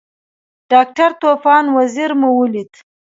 ډاکټر طوفان وزیری مو ولید.